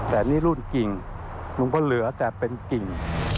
แต่นี่รุ่นกิ่งลุงก็เหลือแต่เป็นกิ่ง